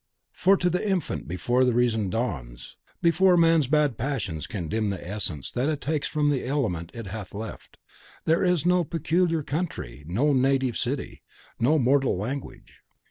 For to the infant, before reason dawns, before man's bad passions can dim the essence that it takes from the element it hath left, there is no peculiar country, no native city, and no mortal language.